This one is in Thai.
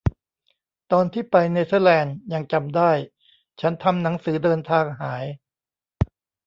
ตอนที่ไปเนเธอร์แลนด์ ยังจำได้ ฉันทำหนังสือเดินทางหาย